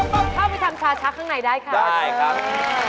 ตอนเข้าไปทำชาชักข้างในได้ค่ะได้ครับ